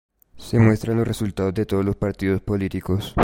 Se muestran los resultados de todos los partidos políticos.